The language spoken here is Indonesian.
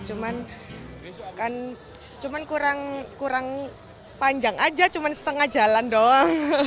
cuman kurang panjang aja cuma setengah jalan doang